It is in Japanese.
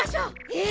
え！